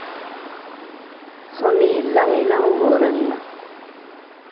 Sami yella ila uguren.